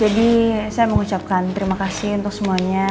jadi saya mengucapkan terima kasih untuk semuanya